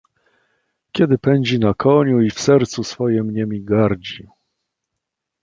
"kiedy pędzi na koniu i w sercu swojem niemi gardzi!"